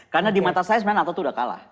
karena di mata saya sebenarnya nato tuh udah kalah